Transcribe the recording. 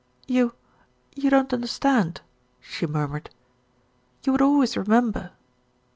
"You you don't understand," she murmured. "You would always remember."